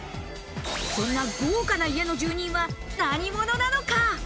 そんな豪華な家の住人は何者なのか？